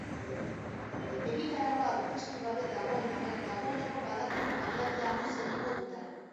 Egitaraua aurkeztu gabe dagoen arren, dagoeneko badakigu jaialdia noiz egingo duten.